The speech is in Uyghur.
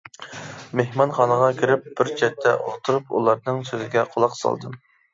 مېھمانخانىغا كىرىپ بىر چەتتە ئولتۇرۇپ، ئۇلارنىڭ سۆزىگە قۇلاق سالدىم.